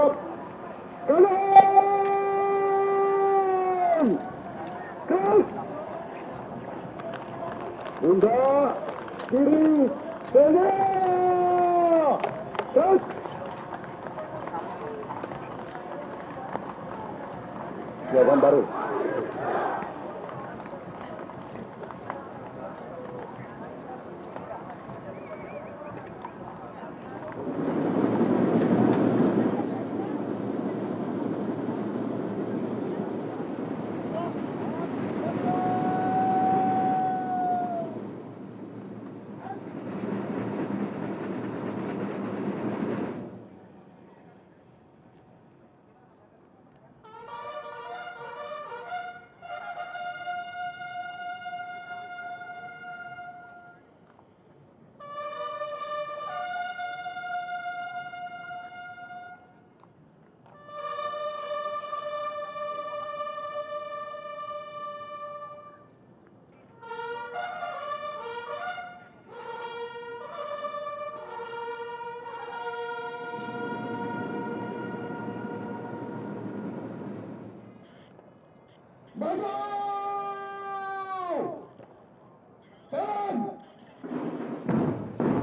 kalian harus tewakan hayat